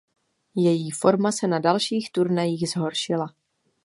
Její forma se na dalších turnajích zhoršila.